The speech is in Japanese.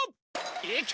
いけ！